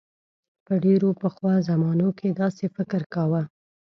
په ډیرو پخوا زمانو کې داسې فکر کاؤ.